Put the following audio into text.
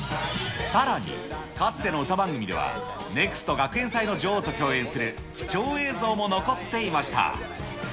さらに、かつての歌番組では、ネクスト学園祭の女王と共演する貴重映像も残っていました。